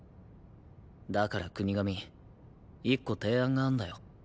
だから國神１個提案があんだよ。